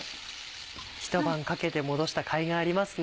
ひと晩かけて戻したかいがありますね。